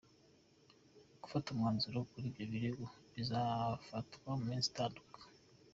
Gufata umwanzuro kuri ibyo birego bizakorwa mu minsi itandatu.